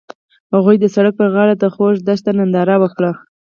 هغوی د سړک پر غاړه د خوږ دښته ننداره وکړه.